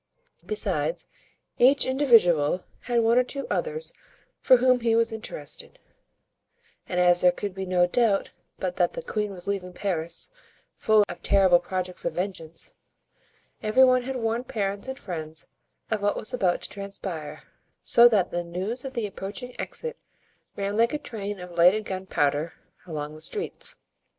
Besides, each individual had one or two others for whom he was interested; and as there could be no doubt but that the queen was leaving Paris full of terrible projects of vengeance, every one had warned parents and friends of what was about to transpire; so that the news of the approaching exit ran like a train of lighted gunpowder along the streets.